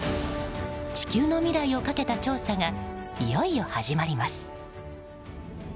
地球の未来をかけた調査がいよいよ始まります。